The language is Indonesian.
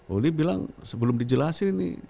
uli bilang belum dijelasin nih